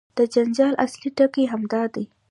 د جنجال اصلي ټکی همدا دی.